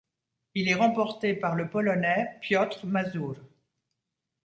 Il est remporté par le Polonais Piotr Mazur.